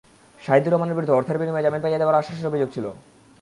শাহিদুর রহমানের বিরুদ্ধে অর্থের বিনিময়ে জামিন পাইয়ে দেওয়ার আশ্বাসের অভিযোগ ছিল।